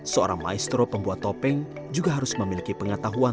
seorang maestro pembuat topeng juga harus memiliki pengetahuan